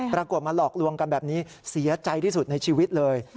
ปรากฏมาหลอกลวงกันแบบนี้เสียใจที่สุดในชีวิตเลย